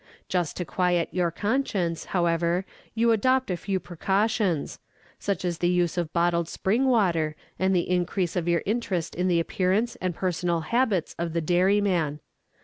Just to quiet your conscience, however, you adopt a few precautions such as the use of bottled spring water, and the increase of your interest in the appearance and personal habits of the dairyman.